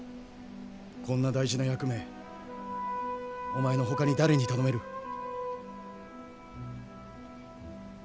こんな大事な役目お前のほかに誰に頼める？